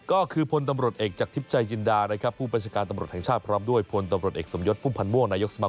ก็คือพรกศผู้บาชการทำรถแห่งชาติพรัมด้วยพรพสมยศปุ้มพันธ์ม่วงประเทศไทย